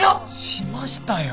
しましたよ！